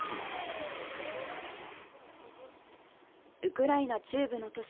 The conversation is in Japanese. ウクライナ中部の都市